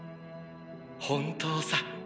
本当さ。